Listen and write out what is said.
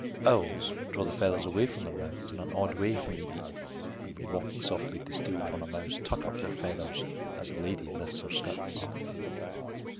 Owls draw the feathers away from their mouths in an odd way when they eat, and when walking softly to steal upon a mouse tuck up their feathers as a lady lifts her skirts.